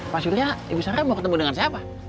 pak surya ibu sarah mau ketemu dengan siapa